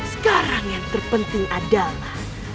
sekarang yang terpenting adalah